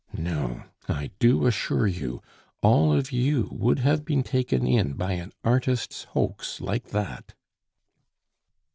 No, I do assure you, all of you would have been taken in by an artist's hoax like that."